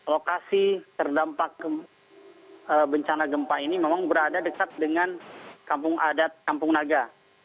lokasi terdampak bencana gempa ini memang berada dekat dengan kampung adat kampung naga